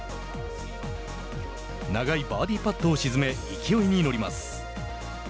長いバーディーパットを沈め勢いに乗ります。